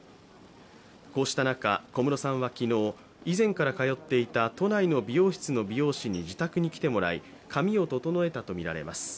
こうした中、小室さんは昨日、以前から通っていた都内の美容室の美容師に自宅に来てもらい、髪を整えたとみられます。